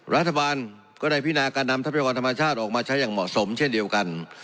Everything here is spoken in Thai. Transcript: รัฐบาลก็ได้พินาการนำทรัพยากรธรรมชาติออกมาใช้อย่างเหมาะสมเช่นเดียวกัน